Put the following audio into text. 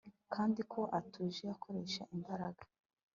Kandi ko atuje akoresha imbaraga